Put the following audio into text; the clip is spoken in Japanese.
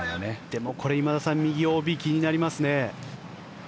でもこれ、今田さん右ＯＢ気になりますね。